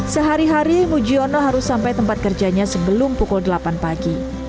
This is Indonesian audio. sehari hari mujiono harus sampai tempat kerjanya sebelum pukul delapan pagi